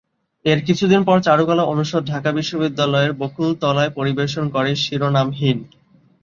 এর কিছুদিন পর চারুকলা অনুষদ, ঢাকা বিশ্ববিদ্যালয়ের বকুলতলায় পরিবেশন করে শিরোনামহীন।